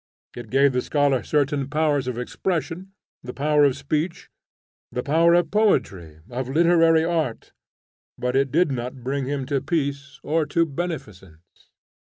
It gave the scholar certain powers of expression, the power of speech, the power of poetry, of literary art, but it did not bring him to peace or to beneficence.